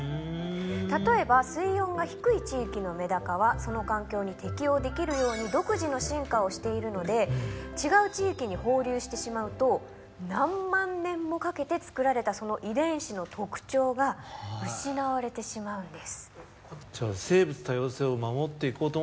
例えば水温が低い地域のメダカはその環境に適応できるように独自の進化をしているので違う地域に放流してしまうと何万年もかけてつくられたその遺伝子の特徴が失われてしまうんです。